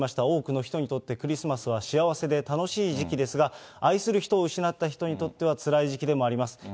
多くの人にとってクリスマスは幸せで楽しい時期ですが、愛する人を失った人にとってはつらい時期でもあります。